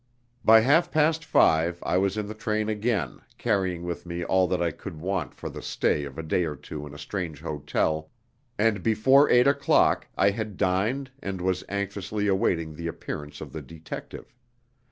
By half past five I was in the train again, carrying with me all that I could want for the stay of a day or two in a strange hotel, and before eight o'clock I had dined and was anxiously awaiting the appearance of the detective.